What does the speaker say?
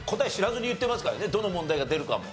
どの問題が出るかも。